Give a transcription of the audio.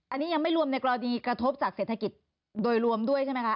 อันนี้ยังไม่รวมในกรณีกระทบจากเศรษฐกิจโดยรวมด้วยใช่ไหมคะ